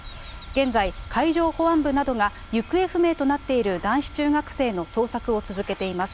現在、海上保安部などが行方不明となっている男子中学生の捜索を続けています。